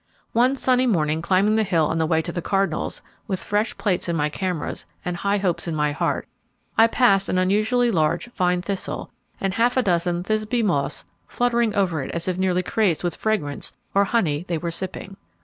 One sunny morning climbing the hill on the way to the cardinals, with fresh plates in my cameras, and high hopes in my heart, I passed an unsually large fine thistle, with half a dozen Thysbe moths fluttering over it as if nearly crazed with fragrance, or honey they were sipping.